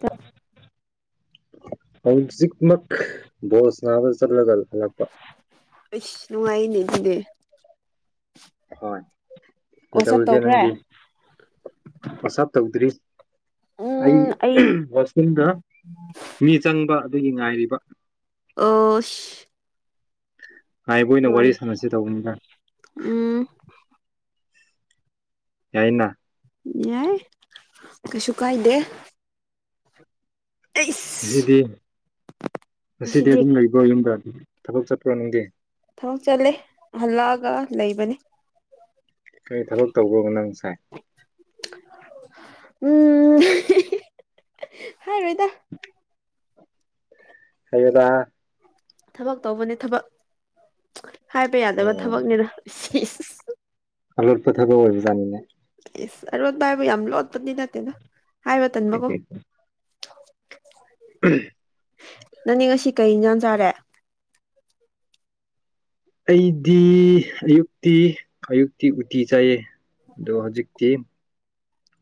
ꯀ ꯍꯧꯖꯤꯛ ꯃꯛ ꯕꯣꯜ ꯁꯥꯟꯅꯕ ꯆꯠꯂꯒ ꯍꯜꯂꯛꯄ ꯑꯁ ꯅꯨꯡꯉꯥꯏꯌꯦꯅꯦ ꯑꯗꯨꯗꯤ ꯍꯣꯏ ꯋꯥꯆꯞ ꯀꯩꯗꯧꯔꯤꯒꯦ ꯇꯧꯈ꯭ꯔꯦ ꯅꯪꯗꯤ ꯄꯨꯁꯑꯞ ꯇꯧꯗ꯭ꯔꯤ ꯑꯩ ꯍꯣꯁꯇꯦꯜꯗ ꯃꯤ ꯆꯪꯕ ꯑꯗꯨꯒꯤ ꯉꯥꯏꯔꯤꯕ ꯑꯣꯁ ꯉꯥꯏꯕ ꯑꯣꯏꯅ ꯋꯥꯔꯤ ꯁꯥꯟꯅꯁꯤ ꯇꯧꯕꯅꯤꯗ ꯎꯝ ꯌꯥꯏꯅ ꯌꯥꯏ ꯀꯩꯁꯨ ꯀꯥꯏꯗꯦ ꯑꯩꯁ ꯉꯁꯤꯗꯤ ꯉꯁꯤꯗꯤ ꯑꯗꯨꯝ ꯂꯩꯕ꯭ꯔꯣ ꯌꯨꯝꯗ ꯊꯕꯛ ꯆꯠꯄ꯭ꯔ ꯅꯪꯗꯤ ꯊꯕꯛ ꯆꯠꯂꯦ ꯍꯜꯂꯛꯑꯒ ꯂꯩꯕꯅꯦ ꯀꯔꯤ ꯊꯕꯛ ꯇꯧꯕ꯭ꯔꯣ ꯅꯪꯁꯦ ꯎꯝ [inaudible] ꯍꯥꯏꯔꯣꯏꯗ [inaudible] ꯍꯩꯌꯦꯗ ꯊꯕꯛ ꯇꯧꯕꯅꯦ ꯊꯕꯛ ꯍꯥꯏꯕ ꯌꯥꯗꯕ ꯑꯣ ꯊꯕꯛꯅꯦꯗ ꯁꯤꯁ ꯑꯂꯣꯠꯄ ꯊꯕꯛ ꯑꯣꯏꯕꯖꯥꯠꯅꯤꯅꯦ ꯑꯦꯁ ꯑꯔꯣꯠꯄ ꯍꯥꯏꯕꯨ ꯌꯥꯝ ꯂꯣꯠꯄꯗꯤ ꯅꯠꯇꯦꯗ ꯍꯥꯏꯕ ꯇꯟꯕꯀꯣ [inaudible] ꯅꯪꯗꯤ ꯉꯁꯤ ꯀꯩ ꯏꯟꯁꯥꯡ ꯆꯥꯔꯦ ꯑꯩꯗꯤ ꯑꯌꯨꯛꯇꯤ ꯑꯌꯨꯛꯇꯤ ꯎꯇꯤ ꯆꯥꯏꯌꯦ ꯑꯗꯣ ꯍꯧꯖꯤꯛꯇꯤ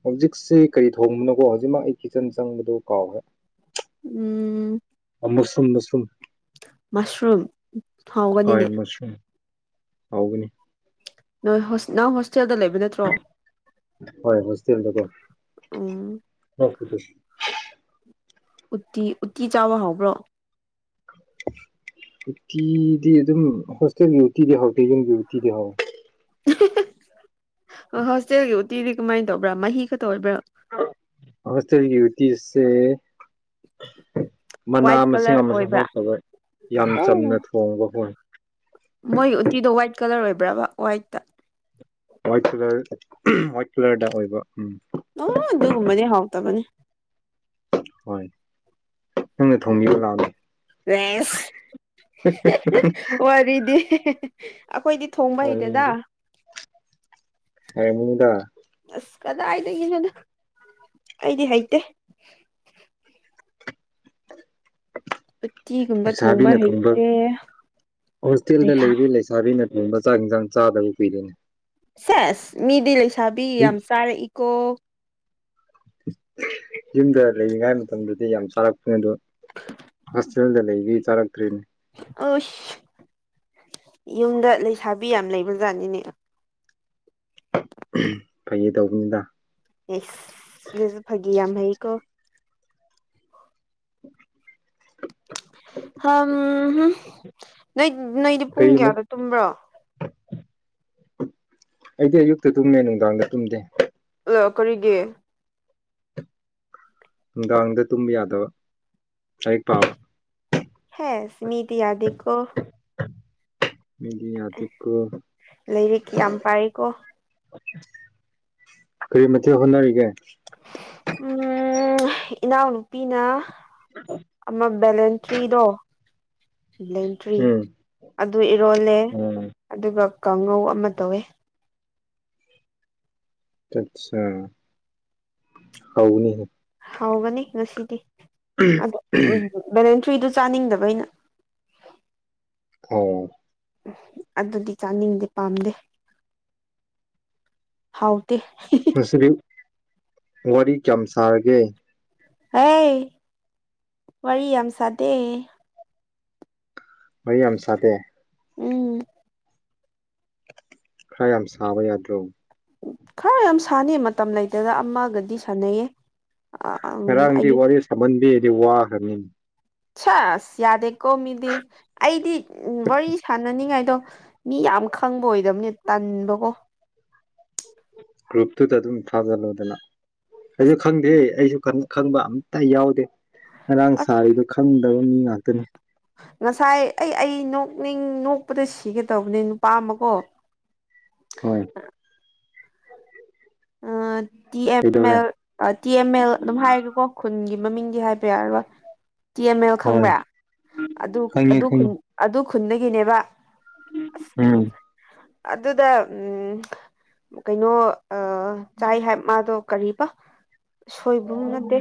ꯍꯧꯖꯤꯛꯁꯤ ꯀꯔꯤ ꯊꯣꯡꯕꯅꯣꯀꯣ ꯍꯧꯖꯤꯛꯃꯛ ꯑꯩ ꯀꯤꯠꯆꯟ ꯆꯪꯕꯗꯣ ꯀꯥꯎꯈ꯭ꯔꯦ ꯎꯝ ꯃꯨꯁꯔꯨꯝ ꯃꯁꯔꯨꯝ ꯃꯁꯔꯨꯝ ꯍꯣꯏ ꯍꯥꯎꯒꯅꯤꯅꯦ ꯃꯁꯔꯨꯝ ꯍꯥꯎꯒꯅꯤ ꯅꯣꯏ ꯍꯣꯁ ꯅꯪ ꯍꯣꯁ ꯆꯦꯜꯗ ꯂꯩꯕ ꯅꯠꯇ꯭ꯔꯣ ꯍꯣꯏ ꯍꯣꯁꯇꯦꯜꯗꯀꯣ [inaudible] ꯎꯝ [inaudible] ꯎꯇꯤ ꯎꯇꯤ ꯆꯥꯕ ꯍꯥꯎꯕ꯭ꯔꯣ ꯎꯇꯤꯗꯤ ꯑꯗꯨꯝ ꯍꯣꯁꯇꯦꯜꯒꯤ ꯎꯇꯤꯗꯤ ꯍꯥꯎꯇꯦ ꯌꯨꯝꯒꯤ ꯎꯇꯤꯗꯤ ꯍꯥꯎ [inaudible] ꯍꯣꯁꯇꯦꯜꯒꯤ ꯎꯇꯤꯗꯤ ꯀꯃꯥꯏꯅ ꯇꯧꯕ꯭ꯔ ꯃꯍꯤ ꯈꯛꯇ ꯑꯣꯏꯕ꯭ꯔ ꯍꯣꯁꯇꯦꯜꯒꯤ ꯎꯇꯤꯁꯦ ꯃꯅꯥ ꯋꯥꯏꯠ ꯃꯁꯤꯡ ꯀꯂꯔ ꯑꯃꯁꯨ ꯑꯣꯏꯕ꯭ꯔꯥ ꯍꯥꯞꯇꯕ ꯌꯥꯝ ꯑꯣ ꯆꯝꯅ ꯊꯣꯡꯕ ꯍꯣꯏ ꯃꯣꯏꯒꯤ ꯎꯇꯤꯗꯣ ꯋꯥꯏꯠ ꯀꯂꯔ ꯑꯣꯏꯕ꯭ꯔꯕ ꯋꯥꯏꯠꯇ ꯋꯥꯏꯠ ꯀꯂꯔ ꯋꯥꯏꯠ ꯀꯂꯔꯗ ꯑꯣꯏꯕ ꯎꯝ ꯑ ꯗꯨꯒꯨꯝꯕꯅꯤ ꯍꯥꯎꯇꯕꯅꯤ ꯍꯣꯏ ꯅꯪꯅ ꯊꯣꯡꯕꯤꯌꯨ ꯂꯥꯎ ꯔꯦꯁ [inaudible] ꯋꯥꯔꯤꯗꯤ [inaudible] ꯑꯩꯈꯣꯏꯗꯤ ꯊꯣꯡꯕ ꯍꯩꯇꯦꯗ ꯍꯣꯏ [inaudible] ꯍꯥꯏꯔꯝꯒꯅꯤꯗ ꯑꯁ ꯀꯗꯥꯏꯗꯒꯤ ꯅꯣꯗ ꯑꯩꯗꯤ ꯍꯩꯇꯦ ꯎꯇꯤꯒꯨꯝꯕ ꯂꯩꯁꯥꯕꯤꯅ ꯊꯣꯡꯕ ꯍꯩꯇꯦ ꯍꯣꯁꯇꯦꯜꯗ ꯂꯩꯁꯥ ꯂꯩꯕꯤ ꯂꯩꯁꯥꯕꯤꯅ ꯊꯣꯡꯕ ꯆꯥꯛ ꯌꯦꯟꯁꯥꯡ ꯆꯥꯗꯕ ꯀꯨꯏꯔꯦꯅꯦ ꯁꯦꯁ ꯃꯤꯗꯤ ꯂꯩꯁꯥꯕꯤ ꯌꯥꯝ ꯆꯥꯔꯛꯏꯀꯣ ꯌꯨꯝꯗ ꯂꯩꯔꯤꯉꯥꯏ ꯃꯇꯝꯗꯗꯤ ꯌꯥꯝ ꯆꯥꯔꯛꯄꯅꯤ ꯑꯗꯣ ꯍꯣꯁꯇꯦꯜꯗ ꯂꯩꯕꯤ ꯆꯥꯔꯛꯇ꯭ꯔꯤꯅꯦ ꯑꯁ ꯌꯨꯝꯗ ꯂꯩꯁꯥꯕꯤ ꯌꯥꯝ ꯂꯩꯕꯖꯥꯠꯅꯤꯅꯦ ꯐꯥꯒꯤ ꯇꯧꯕꯅꯤꯗ ꯀꯣ ꯍꯝ ꯍꯨꯝ ꯅꯣꯏ ꯅꯣꯏꯗꯤ ꯄꯨꯡ ꯀꯔꯤ ꯀꯌꯥꯗ ꯇꯨꯝꯕ꯭ꯔꯣ ꯑꯩꯗꯤ ꯑꯌꯨꯛꯇ ꯇꯨꯝꯃꯦ ꯅꯨꯡꯗꯥꯡꯗ ꯇꯨꯝꯗꯦ ꯂ ꯀꯔꯤꯒꯤ ꯅꯨꯡꯗꯥꯡꯗ ꯇꯨꯝꯕ ꯌꯥꯗꯕ ꯂꯥꯏꯔꯤꯛ ꯄꯥꯕ ꯍꯦꯁ ꯃꯤꯗꯤ ꯌꯥꯗꯦꯀꯣ ꯃꯤꯗꯤ ꯌꯥꯗꯦꯀꯣ ꯂꯥꯏꯔꯤꯛ ꯌꯥꯝ ꯄꯥꯏꯀꯣ ꯀꯔꯤ ꯃꯊꯦꯜ ꯍꯣꯠꯅꯔꯤꯒꯦ ꯎꯝ ꯏꯅꯥꯎꯅꯨꯄꯤꯅ ꯑꯃ ꯕꯦꯂꯦꯟꯇ꯭ꯔꯤꯗꯣ ꯂꯦꯟꯇ꯭ꯔꯤ ꯎꯝ ꯑꯗꯨ ꯏꯔꯣꯜꯂꯦ ꯎꯝ ꯑꯗꯨꯒ ꯀꯥꯡꯉꯧ ꯑꯃ ꯇꯧꯋꯦ ꯑꯠꯆꯥ ꯍꯥꯎꯕꯅꯤꯍꯦ ꯍꯥꯎꯒꯅꯤ ꯉꯁꯤꯗꯤ ꯑꯗꯣ ꯎꯝ ꯕꯦꯂꯦꯟꯇ꯭ꯔꯤ ꯇ꯭ꯔꯤꯗꯣ ꯆꯥꯅꯤꯡꯗꯕ ꯑꯩꯅ ꯑꯧ ꯑꯗꯨꯗꯤ ꯆꯥꯅꯤꯡꯗꯦ ꯄꯥꯝꯗꯦ ꯍꯥꯎ ꯇꯦ ꯉꯁꯤꯗꯤ ꯋꯥꯔꯤ ꯀꯌꯥꯝ ꯁꯥꯔꯒꯦ ꯍꯩ ꯋꯥꯔꯤ ꯌꯥꯝ ꯁꯥꯗꯦ ꯋꯥꯔꯤ ꯌꯥꯝ ꯁꯥꯗꯦ ꯎꯝ ꯈꯔ ꯌꯥꯝ ꯁꯥꯕ ꯌꯥꯗ꯭ꯔꯣ ꯈꯔ ꯌꯥꯝ ꯁꯥꯟꯅꯩ ꯃꯇꯝ ꯂꯩꯇꯦꯗ ꯑꯃꯒꯗꯤ ꯁꯥꯟꯅꯩꯌꯦ ꯉꯔꯥꯡꯗꯤ ꯑꯌꯨꯛ ꯋꯥꯔꯤ ꯁꯥꯃꯟꯗꯤ ꯍꯥꯏꯗꯤ ꯋꯥꯈ꯭ꯔꯕꯅꯤ ꯁꯦꯁ ꯌꯥꯗꯦꯀꯣ ꯃꯤꯗꯤ ꯑꯩꯗꯤ ꯋꯥꯔꯤ ꯁꯥꯟꯅꯅꯤꯡꯉꯥꯏ ꯑꯗꯣ ꯃꯤ ꯌꯥꯝ ꯈꯪꯕ ꯑꯣꯏꯗꯕꯅꯦ ꯇꯟꯕꯀꯣ ꯒ꯭ꯔꯨꯞꯇꯨꯗ ꯑꯗꯨꯝ ꯊꯥꯖꯜꯂꯣꯗꯅ ꯑꯁ ꯑꯩꯁꯨ ꯈꯪꯗꯦ ꯑꯩꯁꯨ ꯈꯪꯕ ꯑꯝꯇ ꯌꯥꯎꯗꯦ ꯉꯔꯥꯡ ꯑꯁ ꯁꯥꯔꯤꯗꯣ ꯈꯪꯗꯕ ꯃꯤ ꯉꯥꯛꯇꯅꯤ ꯉꯁꯥꯏ ꯑꯩ ꯑꯩ ꯅꯣꯛꯅꯤꯡ ꯅꯣꯛꯄꯗ ꯁꯤꯒꯦꯇꯧꯕꯅꯦ ꯅꯨꯄꯥ ꯑꯃꯀꯣ ꯍꯣꯏ ꯑꯥ ꯇꯤ ꯑꯦꯝ ꯀꯩꯗꯧꯔꯦ ꯑꯦꯜ ꯇꯤ ꯑꯦꯝ ꯑꯦꯜ ꯑꯗꯨꯝ ꯍꯥꯏꯒꯦꯀꯣ ꯈꯨꯟꯒꯤ ꯃꯃꯤꯡꯗꯤ ꯍꯥꯏꯕ ꯌꯥꯔꯔꯣꯏ ꯇꯤ ꯑꯦꯝ ꯑꯦꯜ ꯍꯣꯏ ꯈꯪꯕ꯭ꯔꯥ ꯑꯗꯨ ꯈꯪꯉꯦ ꯈꯪꯉꯦ ꯑꯗꯨ ꯈꯨꯟꯗꯒꯤꯅꯦꯕ ꯑꯁ ꯎꯝ ꯑꯗꯨꯗ ꯎꯝ ꯀꯩꯅꯣ ꯑ ꯆꯥꯏ ꯍꯥꯏ ꯃꯥꯗꯣ ꯀꯔꯤꯕ ꯁꯣꯏꯕꯨꯝ ꯅꯠꯇꯦ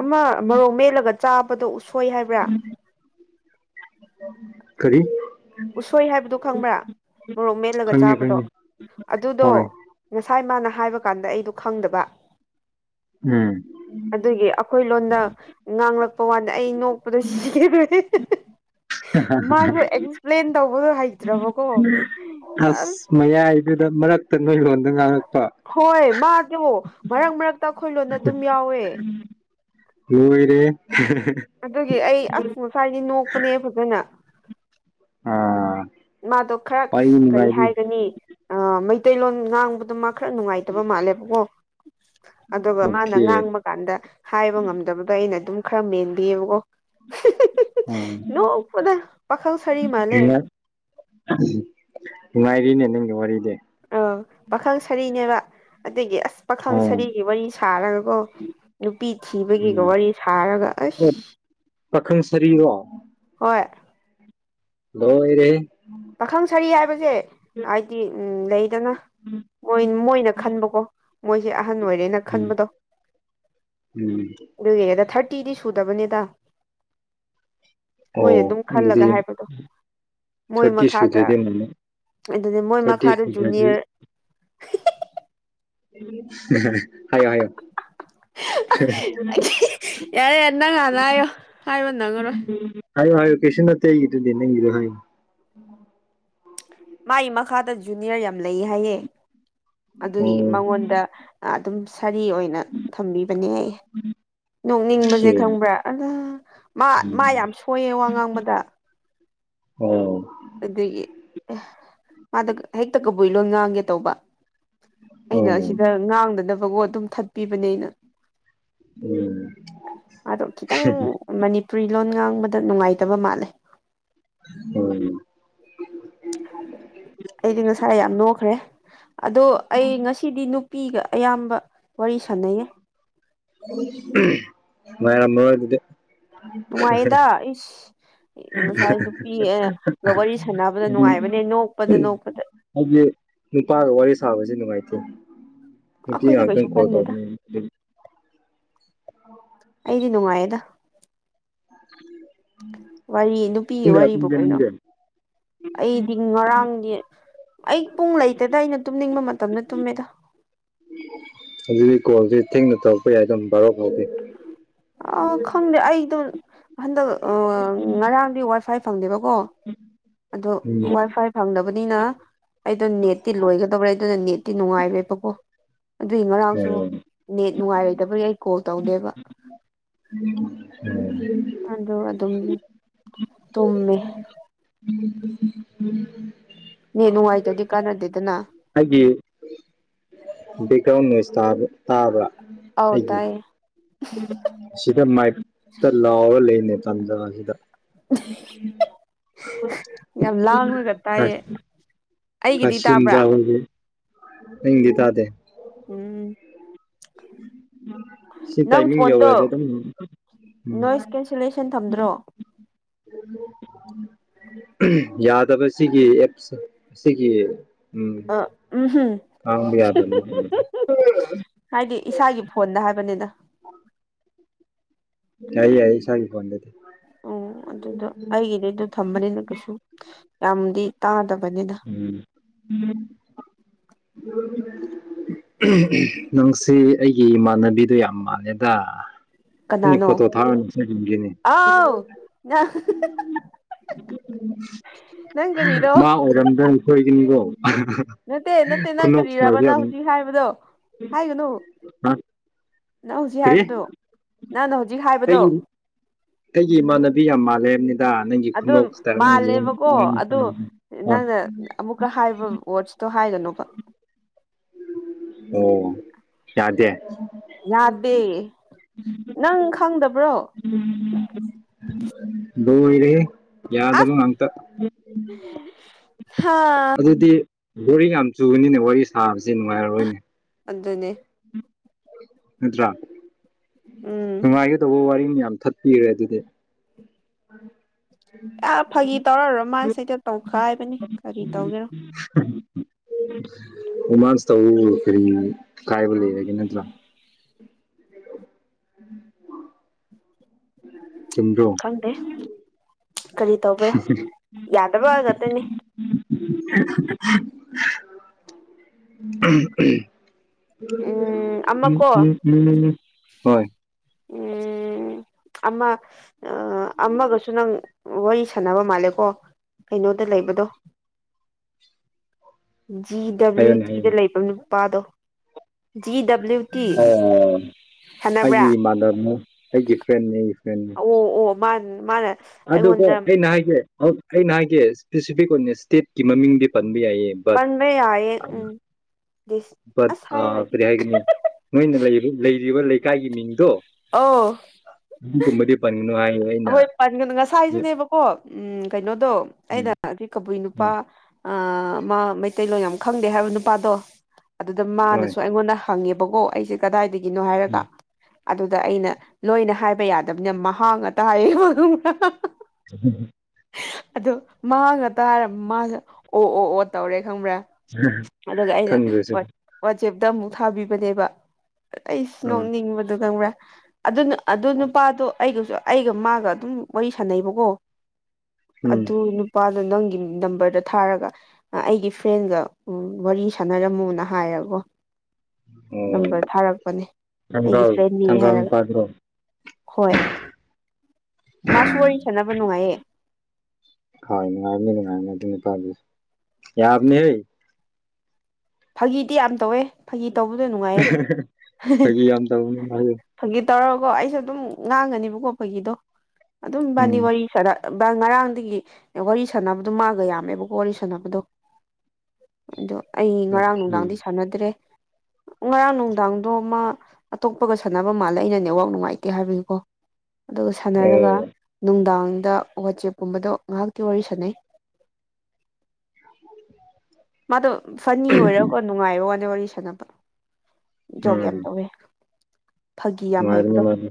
ꯑꯃ ꯃꯔꯣꯛ ꯃꯦꯠꯂꯒ ꯆꯥꯕꯗꯣ ꯎꯁꯣꯏ ꯍꯥꯏꯕ꯭ꯔꯥ [inaudible] ꯀꯔꯤ ꯎꯁꯣꯏ ꯍꯥꯏꯕꯗꯨ ꯈꯪꯕ꯭ꯔꯥ ꯃꯣꯔꯣꯛ ꯃꯦꯠꯂꯒ ꯈꯪꯉꯦ ꯆꯥꯕꯗꯣ ꯈꯪꯉꯦ ꯑꯗꯨꯗꯣ ꯍꯣꯏ ꯉ ꯊꯥꯏ ꯃꯥꯅ ꯍꯥꯏꯕ ꯀꯥꯟꯗ ꯑꯩꯗꯣ ꯈꯪꯗꯕ ꯎꯝ ꯑꯗꯨꯒꯤ ꯑꯩꯈꯣꯏ ꯂꯣꯟꯗ ꯉꯥꯡꯂꯛꯄ ꯋꯥꯗ ꯑꯩ ꯅꯣꯛꯄꯗꯣ ꯁꯤꯒꯦ ꯇꯧꯋꯦ ꯍꯥ ꯍꯥ ꯗꯧꯕꯗꯣ ꯍꯩ ꯑꯁ ꯃꯌꯥꯏꯗꯨꯗ ꯃꯔꯛꯇ ꯅꯣꯏ ꯂꯣꯟꯗ ꯉꯥꯡꯉꯛꯄ ꯍꯣꯏ ꯃꯥꯗꯣ ꯃꯔꯛ ꯃꯔꯛꯇ ꯑꯩꯈꯣꯏ ꯂꯣꯟꯗ ꯑꯗꯨꯝ ꯌꯥꯎꯋꯦ ꯂꯣꯏꯔꯦꯍꯦ ꯑꯗꯨꯒꯤ ꯑꯩ ꯑꯁ ꯉꯁ꯭ꯋꯥꯏꯗꯤ ꯅꯣꯛꯄꯅꯦ ꯐꯖꯅ ꯑꯥ ꯃꯥꯗꯣ ꯈꯔ ꯋꯥꯔꯤ ꯀꯔꯤ ꯅꯨꯡꯉꯥꯏꯔꯤ ꯍꯥꯏꯒꯅꯤ ꯃꯩꯇꯩꯂꯣꯟ ꯉꯥꯡꯕꯗ ꯃꯥ ꯈꯔ ꯅꯨꯡꯉꯥꯏꯇꯕ ꯃꯥꯜꯂꯦꯕꯀꯣ ꯑꯗꯨꯒ ꯃꯥꯅ ꯑꯣꯀꯦ ꯉꯥꯡꯕ ꯀꯥꯟꯗ ꯍꯥꯏꯕ ꯉꯝꯗꯕꯗꯣ ꯑꯩꯅ ꯑꯗꯨꯝ ꯈꯔ ꯃꯦꯟꯕꯤꯑꯕꯀꯣ ꯑꯣ ꯅꯣꯛꯄꯗ ꯄꯥꯈꯪ ꯁꯔꯤ ꯃꯥꯜꯂꯦ ꯅꯨꯡꯉꯥꯏꯔꯤꯅꯦ ꯅꯪꯒꯤ ꯋꯥꯔꯤꯗꯤ ꯑ ꯄꯥꯈꯪ ꯁꯥꯔꯤꯅꯦꯕ ꯑꯗꯒꯤ ꯑꯁ ꯄꯥꯈꯪ ꯑꯣ ꯁꯔꯤꯒꯤ ꯋꯥꯔꯤ ꯁꯥꯔꯒ ꯀꯣ ꯅꯨꯄꯤ ꯊꯤꯕꯒꯤꯒ ꯎꯝ ꯋꯥꯔꯤ ꯁꯥꯔꯒ ꯑꯁ ꯑꯣ ꯄꯥꯈꯪ ꯁꯔꯤꯔꯣ ꯍꯣꯏ ꯂꯣꯏꯔꯦꯍꯦ ꯄꯥꯈꯪ ꯁꯔꯤ ꯍꯥꯏꯕꯁꯦ ꯍꯥꯏꯗꯤ ꯎꯝ ꯂꯩ ꯐꯗꯅ ꯃꯣꯏ ꯃꯣꯏꯅ ꯈꯟꯕꯀꯣ ꯃꯣꯏꯁꯦ ꯑꯍꯟ ꯑꯣꯏꯔꯦꯅ ꯎꯝ ꯈꯟꯕꯗꯣ ꯎꯝ ꯑꯗꯨꯒꯤꯅꯦꯗ ꯊꯥꯔꯇꯤꯗꯤ ꯁꯨꯔ ꯁꯨꯗꯕꯅꯤꯗ ꯃꯣꯏꯅ ꯑꯣ ꯑꯗꯨꯝ ꯑꯗꯨꯗꯤ ꯈꯜꯂꯒ ꯍꯥꯏꯕꯗꯣ ꯃꯣꯏ ꯊꯥꯔꯇꯤ ꯃꯈꯥꯗ ꯁꯨꯗ꯭ꯔꯗꯤ ꯑꯃꯨꯛ ꯑꯗꯨꯗꯤ ꯃꯣꯏ ꯊꯥꯔꯇꯤ ꯃꯈꯥꯗ ꯁꯨꯗ꯭ꯔꯗꯤ ꯖꯨꯅꯤꯌꯔ ꯍꯥꯏꯌꯣ ꯍꯥꯏꯌꯣ ꯍꯥ ꯌꯥꯔꯦ ꯅꯪ ꯍꯥꯟꯅ ꯍꯥꯏꯌꯣ ꯍꯥꯏꯕ ꯅꯪꯉꯔꯣꯏ ꯍꯥꯏꯌꯣ ꯍꯥꯏꯌꯣ ꯀꯩꯁꯨꯅꯠꯇ ꯑꯩꯒꯤꯗꯨꯗꯤ ꯅꯪꯒꯤꯗꯣ ꯍꯥꯏꯌꯣ ꯃꯥꯒꯤ ꯃꯈꯥꯗ ꯖꯨꯅꯤꯌꯔ ꯌꯥꯝ ꯂꯩ ꯍꯥꯏꯌꯦ ꯑꯗꯨꯒꯤ ꯑꯣ ꯃꯉꯣꯟꯗ ꯑꯥ ꯑꯗꯨꯝ ꯁꯥꯔꯤ ꯑꯣꯏꯅ ꯊꯝꯕꯤꯕꯅꯦ ꯅꯣꯛꯅꯤꯡꯕꯖꯦ ꯈꯪꯕ꯭ꯔꯥ ꯑꯥ ꯃꯥ ꯃꯥ ꯎꯝ ꯌꯥꯝ ꯁꯣꯏꯌꯦ ꯋꯥ ꯉꯥꯡꯕꯗ ꯑꯣꯝ ꯑꯗꯨꯒꯤ ꯃꯥꯗꯣ ꯍꯦꯛꯇ ꯀꯕꯨꯏ ꯂꯣꯟ ꯉꯥꯡꯒꯦ ꯇꯧꯕ ꯑꯣ ꯑꯩꯅ ꯁꯤꯗ ꯎꯝ ꯉꯥꯡꯗꯅꯕꯒꯣ ꯑꯗꯨꯝ ꯊꯠꯄꯤꯕꯅꯦ ꯑꯩꯅ ꯑꯗꯣ ꯈꯤꯇꯪ ꯃꯅꯤꯄꯨꯔꯤ ꯂꯣꯟ ꯉꯥꯡꯕꯗ ꯅꯨꯡꯉꯥꯏꯇꯕ ꯃꯥꯜꯂꯦ [unintelligible] ꯑꯩꯗꯤ ꯉꯁꯥꯏ ꯌꯥꯝ ꯅꯣꯛꯈ꯭ꯔꯦ ꯑꯗꯣ ꯑꯩ ꯉꯁꯤꯗꯤ ꯅꯨꯄꯤꯒ ꯑꯌꯥꯝꯕ ꯋꯥꯔꯤ ꯁꯥꯟꯅꯩꯌꯦ ꯅꯨꯡꯉꯥꯏꯔꯝꯃꯔꯣꯏ ꯑꯗꯨꯗꯤ ꯅꯨꯡꯉꯥꯏꯑꯦꯗ ꯏꯁ ꯉꯁꯥꯏ ꯅꯨꯄꯤꯒ ꯋꯥꯔꯤ ꯁꯥꯟꯅꯕꯗꯣ ꯅꯨꯡꯉꯥꯏꯕꯅꯦ ꯅꯣꯛꯄꯗ ꯅꯣꯛꯄꯗ ꯍꯥꯏꯗꯤ ꯅꯨꯄꯥꯒ ꯋꯥꯔꯤ ꯁꯥꯕꯕꯁꯤ ꯅꯨꯡꯉꯥꯏꯇꯦ ꯅꯨꯄꯤ ꯑꯈꯣꯏꯗꯤ ꯀꯩꯁꯨ ꯈꯟꯗꯦꯗ [unintelligible] [unintelligible] ꯑꯩꯗꯤ ꯅꯨꯡꯉꯥꯏꯌꯦꯗ ꯎꯝ ꯋꯥꯔꯤ ꯅꯨꯄꯤꯒꯤ ꯋꯥꯔꯤꯕꯨ ꯀꯩꯅꯣ ꯅꯪꯗꯤ ꯑꯩꯗꯤ ꯉꯔꯥꯡꯗꯤ ꯑꯩ ꯄꯨꯡ ꯂꯩꯇꯦꯗ ꯑꯩꯅ ꯇꯨꯝꯅꯤꯡꯕ ꯃꯇꯝꯗ ꯇꯨꯝꯃꯦꯗ ꯑꯗꯨꯗꯤ ꯀꯣꯜꯁꯦ ꯊꯦꯡꯅ ꯇꯧꯔꯛꯄ ꯌꯥꯏ ꯑꯗꯨꯝ ꯕꯔꯣ ꯐꯥꯎꯗꯤ ꯑꯥ ꯈꯪꯗꯦ ꯑꯩꯗꯣ ꯍꯟꯗꯛ ꯑꯥ ꯉꯔꯥꯡꯗꯤ ꯋꯥꯏ ꯐꯥꯏ ꯐꯪꯗꯦꯕ ꯎꯝ ꯑꯗꯣ ꯋꯥꯏ ꯐꯥꯏ ꯐꯪꯗꯕꯅꯤꯅ ꯑꯩꯗꯣ ꯅꯦꯠꯇꯤ ꯂꯣꯏꯒꯗꯧꯔꯦ ꯑꯗꯨꯅ ꯅꯦꯠꯇꯤ ꯅꯨꯡꯉꯥꯏꯔꯦꯕꯀꯣ ꯑꯗꯨꯏ ꯉꯔꯥꯡꯁꯨ ꯑꯣ ꯅꯦꯠ ꯅꯨꯡꯉꯥꯏꯔꯣꯏꯗꯕꯒꯤ ꯑꯩ ꯀꯣꯜ ꯇꯧꯗꯦꯕ [inaudible] ꯑꯗꯣ ꯑꯗꯨꯝ ꯇꯨꯝꯃꯦ ꯅꯦꯠ ꯅꯨꯡꯉꯥꯏꯇꯗꯤ ꯀꯥꯟꯅꯗꯦꯗꯅ ꯍꯥꯏꯗꯤ ꯕꯦꯛꯒ꯭ꯔꯥꯎꯟ ꯅꯣꯏꯁ ꯇꯥꯕ꯭ꯔ ꯑꯧ ꯑꯩꯒꯤ ꯇꯥꯏꯌꯦ ꯁꯤꯗ ꯃꯥꯏꯞ ꯁꯤꯗ ꯂꯥꯎꯔ ꯂꯩꯅꯦ ꯇꯥꯟꯖꯥꯁꯤꯗ ꯌꯥꯝ ꯂꯥꯡꯂꯒ ꯇꯥꯏꯌꯦ ꯑꯩꯒꯤꯗꯤ ꯇꯥꯕ꯭ꯔꯥ [unintelligible] ꯄꯨꯡꯗꯤ ꯇꯥ ꯎꯝ ꯁꯤ ꯅꯪ ꯇꯥꯏꯃꯤꯡ ꯐꯣꯟꯗꯣ ꯌꯧꯔꯗꯤ ꯑꯗꯨꯝ ꯎꯝ ꯅꯣꯏꯁ ꯀꯦꯟꯁꯦꯂꯦꯁꯟ ꯊꯝꯗ꯭ꯔꯣ ꯌꯥꯗꯕ ꯁꯤꯒꯤ ꯑꯦꯞꯁ ꯁꯤꯒꯤ ꯎꯝ ꯑ ꯎꯝ ꯍꯨꯝ ꯉꯥꯡꯕ ꯌꯥꯗꯕꯅꯦ [inaudible] ꯍꯥꯏꯗꯤ ꯏꯁꯥꯒꯤ ꯐꯣꯟꯗ ꯍꯥꯏꯕꯅꯤꯗ ꯌꯥ ꯌꯥꯏ ꯏꯁꯥꯒꯤ ꯐꯣꯟꯗꯗꯤ ꯑꯣ ꯑꯗꯨꯗꯣ ꯑꯩꯒꯤꯗꯤ ꯑꯗꯨ ꯊꯝꯕꯅꯤꯅ ꯀꯩꯁꯨ ꯌꯥꯝꯗꯤ ꯇꯥꯗꯕ ꯎꯝ ꯎꯝ [inaudible] ꯪ [inaudible] ꯅꯪꯁꯤ ꯑꯩꯒꯤ ꯏꯃꯥꯟꯅꯕꯤꯗꯣ ꯌꯥꯝ ꯃꯥꯜꯂꯦꯗ ꯅꯪꯒꯤ ꯀꯅꯥꯅꯣ ꯐꯣꯇꯣ ꯊꯥꯔꯛꯎꯅꯦ ꯁꯛ ꯌꯡꯒꯦꯅꯦ ꯑꯥꯎ ꯅꯪ ꯅꯪ ꯀꯔꯤꯔꯣ ꯃꯥ ꯑꯣꯏꯔꯝꯗ꯭ꯔꯅ ꯁꯣꯏꯒꯅꯤꯀꯣ ꯅꯠꯇꯦ ꯅꯠꯇꯦ ꯅꯪ ꯈꯨꯅꯣꯛ ꯀꯔꯤꯔꯕ ꯁ꯭ꯇꯥꯏꯜꯁꯦ ꯅꯪ ꯌꯥꯝ ꯍꯨꯖꯤꯛ ꯍꯥꯏꯕꯗꯣ ꯍꯥꯏꯒꯅꯨ ꯍꯥ ꯅꯪ ꯍꯨꯖꯤꯛ ꯍꯥꯏꯕꯗꯣ ꯅꯪꯅ ꯍꯧꯖꯤꯛ ꯍꯥꯏꯕꯗꯣ ꯑꯩ ꯑꯩꯒꯤ ꯏꯃꯥꯟꯅꯕꯤ ꯌꯥꯝ ꯃꯥꯜꯂꯦ ꯍꯥꯏꯕꯅꯤꯗ ꯅꯪꯒꯤ ꯑꯗꯨꯝ ꯈꯨꯅꯣꯛ ꯁ꯭ꯇꯥꯏꯜ ꯅꯪꯒꯤ ꯃꯥꯜꯂꯦꯕꯀꯣ ꯑꯗꯣ ꯑꯥ ꯅꯪꯅ ꯑꯃꯨꯛꯀ ꯍꯥꯏꯕ ꯋꯥꯔꯠꯁ ꯇꯣ ꯍꯥꯏꯒꯅꯣꯕ ꯑꯣ ꯌꯥꯗꯦ ꯌꯥꯗꯦ ꯅꯪ ꯈꯪꯗꯕ꯭ꯔꯣ ꯂꯣꯏꯔꯦꯍꯦ ꯌꯥꯗꯕ ꯑꯁ ꯉꯥꯛꯇ ꯍꯥꯥ ꯕꯨꯔꯤꯡ ꯌꯥꯝ ꯆꯨꯕꯅꯤꯅꯦ ꯋꯥꯔꯤ ꯁꯥꯕꯁꯦ ꯅꯨꯡꯉꯥꯏꯔꯣꯏꯅꯦ ꯑꯗꯨꯅꯦ ꯅꯠꯇ꯭ꯔꯥ ꯎꯝ ꯅꯨꯡꯉꯥꯏꯒꯗꯧꯕ ꯋꯥꯔꯤ ꯃꯌꯥꯝ ꯊꯠꯄꯤꯔꯦ ꯑꯗꯨꯗꯤ [inaudible] ꯑ ꯐꯥꯒꯤ ꯇꯧꯔꯒ ꯔꯣꯃꯥꯟꯁ ꯇꯧꯈꯥꯏꯕꯅꯤ ꯀꯔꯤ ꯇꯧꯒꯦꯔꯣ [inaudible] ꯔꯣꯃꯥꯟꯁ ꯇꯧꯕꯕꯨ ꯀꯔꯤ ꯀꯥꯏꯕ ꯂꯩꯔꯒꯦ ꯅꯠꯇ꯭ꯔꯥ ꯆꯨꯝꯗ꯭ꯔꯣ ꯈꯪꯗꯦ ꯀꯔꯤ ꯇꯧꯕꯔ ꯌꯥꯗꯕ ꯉꯥꯛꯇꯅꯤ [inaudible] [inaudible] ꯎ ꯎꯝ ꯎꯝ ꯑꯃ ꯀꯣ ꯎꯝ ꯍꯣꯏ ꯎꯝ ꯑꯃ ꯑꯃꯒꯁꯨ ꯅꯪ ꯋꯥꯔꯤ ꯁꯥꯟꯅꯕ ꯃꯜꯂꯦꯀꯣ ꯀꯩꯅꯣꯗ ꯂꯩꯕꯗꯣ ꯖꯤ ꯗꯕ꯭ꯂꯤꯎ ꯍꯥꯏꯌꯣꯅꯦ ꯇꯤꯗ ꯍꯥꯏꯌꯣꯅꯦ ꯂꯩꯕ ꯅꯨꯄꯥꯗꯣ ꯖꯤ ꯗꯕ꯭ꯂꯤꯎ ꯇꯤ ꯑꯣ ꯁꯥꯟꯅꯕ꯭ꯔꯥ ꯑꯩꯒꯤ ꯏꯃꯥꯟꯅꯕꯅꯤ ꯑꯩꯒꯤ ꯐ꯭ꯔꯦꯟꯅꯦ ꯑꯣ ꯑꯣ ꯃꯥꯟ ꯃꯥꯅ ꯑꯗꯨꯒ ꯑꯩꯉꯣꯟꯗ ꯑꯩꯅ ꯍꯥꯏꯒꯦ ꯑꯩꯅ ꯍꯥꯏꯒꯦ ꯁ꯭ꯄꯦꯁꯤꯐꯤꯛ ꯑꯣꯏꯅ ꯁ꯭ꯇꯦꯠꯀꯤ ꯃꯃꯤꯡꯗꯤ ꯄꯟꯕ ꯌꯥꯏꯌꯦ ꯕꯠ ꯄꯟꯕ ꯌꯥꯏꯌꯦ ꯎꯝ ꯕꯠ ꯑꯁ ꯑ ꯍꯥꯏꯔꯣꯏꯒꯦ ꯀꯔꯤ ꯍꯥꯏꯒꯅꯤ ꯅꯣꯏꯅ ꯂꯩꯔꯤꯕ ꯂꯩꯀꯥꯏꯒꯤ ꯃꯤꯡꯗꯣ ꯑꯣ ꯑꯗꯨꯀꯨꯝꯕꯗꯤ ꯄꯟꯒꯅꯣ ꯍꯥꯏꯌꯦ ꯑꯩꯅ ꯑꯍꯣꯏ ꯄꯟꯒꯅꯣ ꯉꯁꯥꯏꯁꯨꯅꯦꯕꯀꯣ ꯎꯝ ꯀꯩꯅꯣ ꯑꯗꯣ ꯎꯝ ꯑꯩꯅ ꯀꯕꯨꯏ ꯅꯨꯄꯥ ꯎꯝ ꯑ ꯃꯥ ꯃꯩꯇꯩꯂꯣꯟ ꯌꯥꯝ ꯈꯪꯗꯦ ꯍꯥꯏꯕ ꯅꯨꯄꯥꯗꯣ ꯑꯗꯨꯗ ꯍꯣꯏ ꯃꯥꯅꯁꯨ ꯑꯩꯉꯣꯟꯗ ꯍꯪꯉꯦꯕꯀꯣ ꯑꯩꯁꯦ ꯀꯗꯥꯏꯗꯒꯤ ꯒꯤꯅꯣ ꯍꯥꯏꯔꯒ ꯎꯝ ꯑꯗꯨꯗ ꯑꯩꯅ ꯂꯣꯏꯅ ꯍꯥꯏꯕ ꯌꯥꯗꯕꯅꯤꯅ ꯃꯍꯥꯛ ꯇꯌꯦꯕ ꯈꯡꯕ꯭ꯔꯥ ꯆꯍ ꯍ ꯑꯗꯨ ꯃꯒ ꯇꯥꯔꯒ ꯃꯁꯦ ꯑꯣ ꯑꯣ ꯑꯣ ꯇꯧꯔꯦ ꯈꯪꯕ꯭ꯔꯥ ꯑꯗꯨꯒ ꯑꯩꯅ ꯈꯪꯗ꯭ꯔꯁꯨ ꯑꯣꯠ ꯑꯣꯠ ꯋꯥꯆꯦꯞꯇ ꯑꯃꯨꯛ ꯊꯥꯕꯤꯕꯅꯦꯕ ꯑꯩꯁꯨ ꯑꯥ ꯅꯣꯛꯅꯤꯡꯕꯗꯨ ꯈꯪꯕ꯭ꯔꯥ ꯑꯗꯨꯅ ꯑꯗꯨ ꯅꯨꯄꯥꯗꯣ ꯑꯩꯒꯁꯨ ꯑꯩꯒ ꯃꯥꯒ ꯑꯗꯨꯝ ꯋꯥꯔꯤ ꯁꯥꯟꯅꯩꯕꯀꯣ ꯎꯝ ꯑꯗꯨ ꯅꯨꯄꯥ ꯑꯗꯣ ꯅꯪꯒꯤ ꯅꯝꯕꯔꯗ ꯊꯥꯔꯒ ꯑꯩꯒꯤ ꯐ꯭ꯔꯦꯟꯒ ꯋꯥꯔꯤ ꯁꯥꯟꯅꯔꯝꯃꯣꯅ ꯍꯥꯏꯔꯒꯀꯣ ꯑꯣ ꯅꯝꯕꯔ ꯊꯥꯔꯛꯄꯅꯦ ꯑꯩꯒꯤ ꯊꯪꯒꯥꯜ ꯐ꯭ꯔꯦꯟꯅꯤ ꯊꯪꯒꯥꯜ ꯍꯥꯏꯔꯒ ꯅꯨꯄꯥꯗꯨꯔꯣ ꯍꯣꯏ ꯃꯥꯁꯨ ꯋꯥꯔꯤ ꯁꯥꯟꯅꯕ ꯅꯨꯡꯉꯥꯏꯌꯦ ꯍꯣꯏ ꯅꯨꯡꯉꯥꯏꯅꯤ ꯅꯨꯡꯉꯥꯏꯅꯤ ꯑꯗꯨ ꯌꯥꯕꯅꯤꯍꯦ ꯐꯥꯒꯤꯗꯤ ꯌꯥꯝ ꯇꯧꯋꯦ ꯐꯒꯤ ꯇꯧꯕꯗꯣ ꯅꯨꯡꯉꯥꯏꯌꯦ ꯑꯗꯨꯝ ꯍꯥꯍꯥ ꯐꯥꯒꯤ ꯌꯥꯝ ꯇꯧꯕꯅꯤ ꯃꯥꯁꯨ ꯐꯒꯤ ꯇꯧꯔꯒꯣ ꯑꯩꯁꯨ ꯑꯗꯨꯝ ꯉꯥꯡꯉꯅꯤꯕꯀꯣ ꯐꯒꯤꯗꯣ ꯑꯗꯨꯝ ꯏꯕꯅꯤ ꯎꯝ ꯋꯥꯔꯤ ꯁꯥꯅ ꯉꯔꯥꯡꯗꯒꯤ ꯋꯥꯔꯤ ꯁꯥꯟꯅꯕꯗꯣ ꯃꯥꯥꯡꯒ ꯌꯥꯝꯃꯦꯕꯀꯣ ꯋꯥꯔꯤ ꯁꯥꯟꯅꯕꯗꯣ ꯑꯗꯣ ꯑꯩ ꯉꯔꯥꯡ ꯅꯨꯡꯗꯥꯡꯗꯤ ꯑꯣꯀꯦ ꯁꯥꯟꯅꯗ꯭ꯔꯦ ꯉꯔꯥꯡ ꯅꯨꯡꯗꯥꯡꯗꯣ ꯃ ꯑꯇꯣꯞꯄꯒ ꯁꯥꯟꯅꯕ ꯃꯥꯜꯂꯦ ꯑꯩꯅ ꯅꯦꯋꯥꯛ ꯅꯨꯡꯉꯥꯏꯇꯦ ꯍꯥꯏꯕꯒꯤꯀꯣ ꯑꯗꯨꯒ ꯁꯥꯟꯅꯔꯒ ꯑꯣ ꯅꯨꯡꯗꯥꯡ ꯗ ꯋꯥꯆꯦꯞꯀꯨꯝꯕꯗꯣ ꯉꯍꯥꯛꯇꯤ ꯋꯥꯔꯤ ꯁꯥꯟꯅꯩ ꯃꯥꯗꯣ ꯐꯅꯤ ꯑꯣꯏꯔꯀꯣ ꯅꯨꯡꯉꯥꯏꯔ ꯋꯥꯥꯟꯗ ꯋꯥꯔꯤ ꯁꯥꯟꯅꯕ ꯖꯣꯛ ꯌꯥꯝ ꯎꯝ ꯇꯧꯋꯦ ꯐꯥꯒꯤ ꯌꯥꯝ ꯅꯨꯡꯉꯥꯏꯕꯅꯤ ꯍꯩꯕꯗꯣ ꯃꯥꯗꯤ